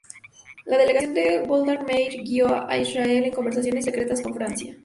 La delegación de Golda Meir guió a Israel en conversaciones secretas con Francia.